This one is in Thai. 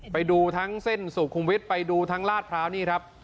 ไปดูทั้งเส้นสุขุมวิทย์ไปดูทั้งลาดพร้าวนี่ครับ